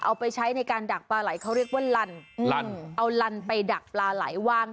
เอาไปใช้ในการดักปลาไหลเขาเรียกว่าลันเอาลันไปดักปลาไหลว่าง